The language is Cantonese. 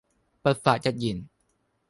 不發一言